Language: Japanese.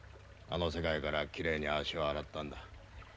あの世界からきれいに足を洗ったんだ。